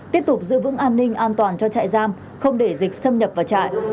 tiếp tục giữ vững an ninh an toàn cho chạy giam không để dịch xâm nhập vào chạy